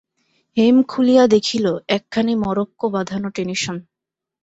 হেম খুলিয়া দেখিল, একখানি মরক্কো-বাঁধানো টেনিসন।